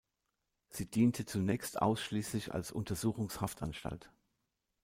Sie diente zunächst ausschließlich als Untersuchungshaftanstalt.